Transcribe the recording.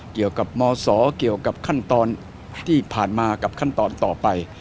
เกี่ยวกับมศเกี่ยวกับขั้นตอนที่ผ่านมากับขั้นตอนต่อไป